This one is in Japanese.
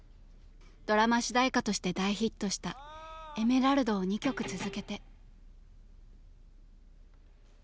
ドラマ主題歌として大ヒットした「エメラルド」を２曲続けて。